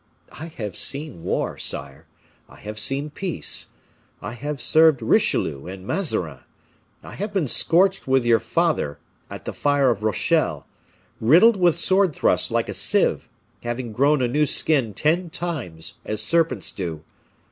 I have seen war, sire, I have seen peace; I have served Richelieu and Mazarin; I have been scorched with your father, at the fire of Rochelle; riddled with sword thrusts like a sieve, having grown a new skin ten times, as serpents do.